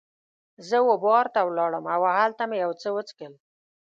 زه وه بار ته ولاړم او هلته مې یو څه وڅښل.